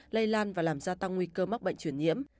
lây lan và làm gia tăng nguy cơ mắc bệnh truyền nhiễm